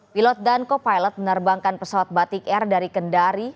pilot dan co pilot menerbangkan pesawat batik air dari kendari